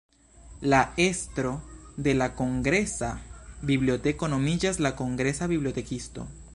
La estro de la Kongresa Biblioteko nomiĝas la Kongresa Bibliotekisto.